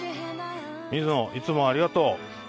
水野いつもありがとう。